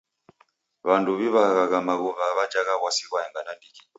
W'andu w'iw'agha maghuwa w'ajagha w'asi ghwaenga nandighi.